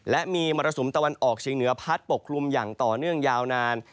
และมีมรสุมตะวันออกเชียงเหนือพัดปกคลุมอย่างต่อเนื่องยาวนาน